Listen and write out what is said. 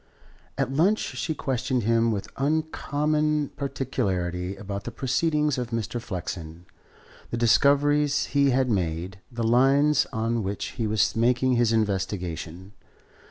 At lunch she questioned him with uncommon particularity about the proceedings of Mr. Flexen, the discoveries he had made, the lines on which he was making his investigation.